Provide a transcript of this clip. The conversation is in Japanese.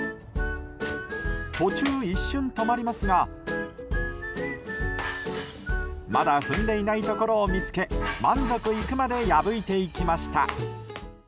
途中、一瞬止まりますがまだ踏んでいないところを見つけ満足いくまで破いていきました。